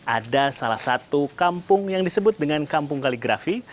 ada salah satu kampung yang disebut dengan kampung kaligrafi